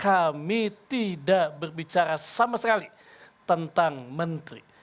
kami tidak berbicara sama sekali tentang menteri